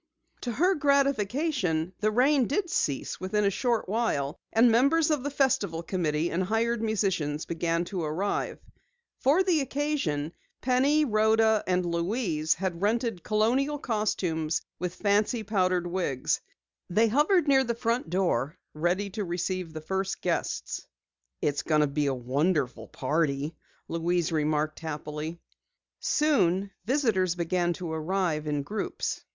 To her gratification, the rain did cease within a short while, and members of the Festival Committee and hired musicians began to arrive. For the occasion, Penny, Rhoda, and Louise, had rented colonial costumes with fancy powdered wigs. They hovered near the front door, ready to greet the first guests. "It's going to be a wonderful party," Louise remarked happily. Soon visitors began to arrive in groups.